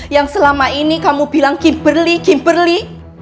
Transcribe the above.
yang selama ini kamu bilang kimberly kimberly